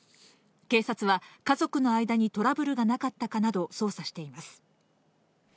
警察は、家族の間にトラブルがなかったかなど捜査しています。